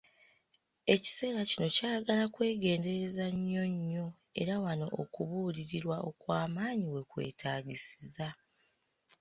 Ekiseera kino kyagala kwegendereza nnyo, nnyo, era wano okubuulirirwa okwamaanyi wekwetaagisiza.